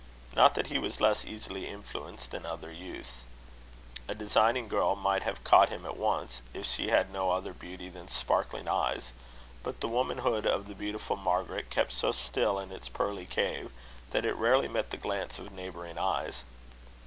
Not that he was less easily influenced than other youths. A designing girl might have caught him at once, if she had had no other beauty than sparkling eyes; but the womanhood of the beautiful Margaret kept so still in its pearly cave, that it rarely met the glance of neighbouring eyes.